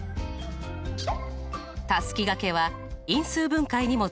たすきがけは因数分解にも使えます。